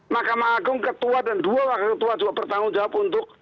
mahkamah agung ketua dan dua wakil ketua juga bertanggung jawab untuk